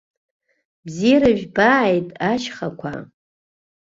Бзиара жәбааит, ашьхақәа!